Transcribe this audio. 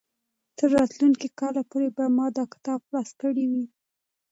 تر راتلونکي کال پورې به ما دا کتاب خلاص کړی وي.